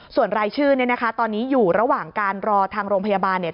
ส่วนรายชื่อเนี่ยนะคะตอนนี้อยู่ระหว่างการรอทางโรงพยาบาลเนี่ย